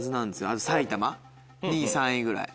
あと埼玉２位３位ぐらい。